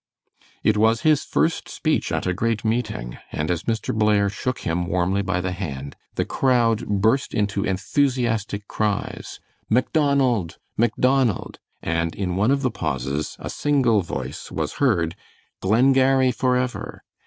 It was his first speech at a great meeting, and as Mr. Blair shook him warmly by the hand, the crowd burst into enthusiastic cries, "Macdonald! Macdonald!" and in one of the pauses a single voice was heard, "Glengarry forever!"